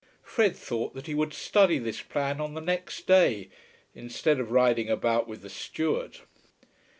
Fred thought that he would study this plan on the next day instead of riding about with the steward.